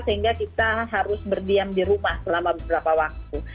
sehingga kita harus berdiam di rumah selama beberapa waktu